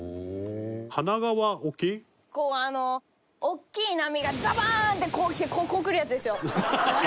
大きい波がざばぁん！ってこう来てこう来るやつですよ。